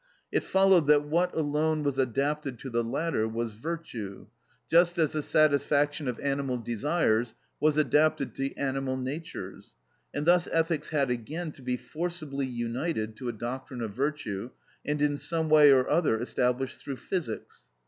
It followed that what alone was adapted to the latter was virtue, just as the satisfaction of animal desires was adapted to animal natures; and thus ethics had again to be forcibly united to a doctrine of virtue, and in some way or other established through physics.